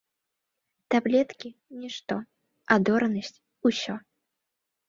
Таблеткі нішто, адоранасць усё.